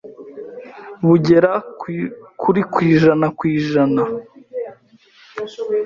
bugera kuri kwijana kwijana